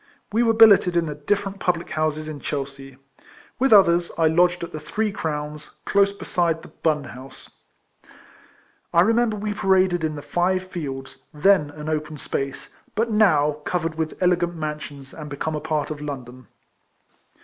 We were billeted in the different public houses in Chelsea. With others, I lodged at the Three Crowns, close beside the Bun House. I remember we paraded in the Five Fields, then an open space, but now covered with elegant mansions, and become a part of London.